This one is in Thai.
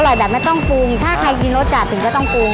อร่อยแบบไม่ต้องปูงถ้าใครกินรสจัดถึงก็ต้องปูง